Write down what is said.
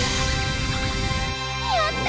やった！